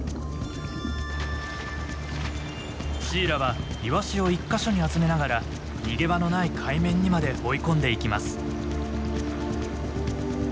シイラはイワシを一か所に集めながら逃げ場のない海面にまで追い込んでいきます。